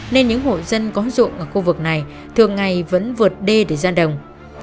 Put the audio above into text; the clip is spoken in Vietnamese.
nên những hộ dân có ruộng ở khu vực này thường ngày vẫn vượt đê để ra đồng